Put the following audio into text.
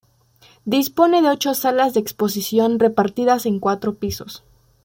Dispone de ocho salas de exposición repartidas en cuatro pisos.